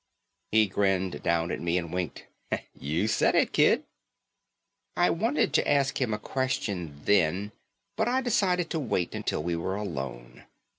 He grinned down at me and winked. "You said it, kid." I wanted to ask him a question then, but I decided to wait until we were alone.